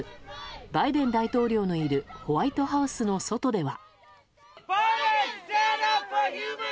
バイデン大統領のいるホワイトハウスの外では。